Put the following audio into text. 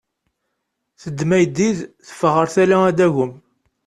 Teddem ayeddid, teffeɣ ɣer tala ad d-tagem.